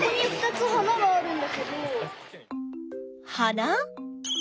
花？